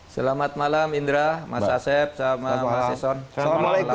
selamat malam indra mas asef mas sison